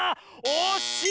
おっしい！